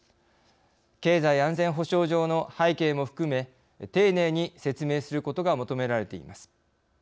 経済安全保障上の背景も含め丁寧に説明することが求められています。